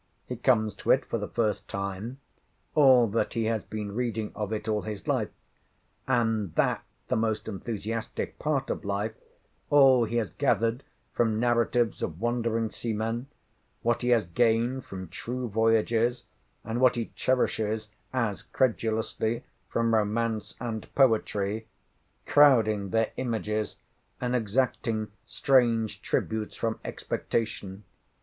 He comes to it for the first time—all that he has been reading of it all his life, and that the most enthusiastic part of life,—all he has gathered from narratives of wandering seamen; what he has gained from true voyages, and what he cherishes as credulously from romance and poetry; crowding their images, and exacting strange tributes from expectation.